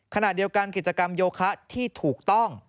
ขณะเดียวกันกิจกรรมโยคะที่ถูกต้อง